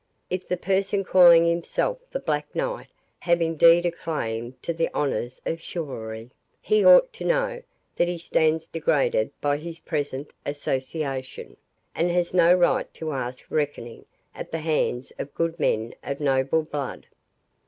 If the person calling himself the Black Knight have indeed a claim to the honours of chivalry, he ought to know that he stands degraded by his present association, and has no right to ask reckoning at the hands of good men of noble blood.